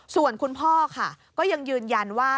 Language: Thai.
ส่วนคุณพ่อค่ะก็ยังยืนยันว่า